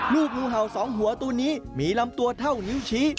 ลูกหมูเห่า๒หัวตัวนี้มีลำตัวเท่านิ้วชี้